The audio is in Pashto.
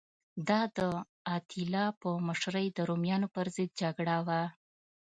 دا د اتیلا په مشرۍ د رومیانو پرضد جګړه وه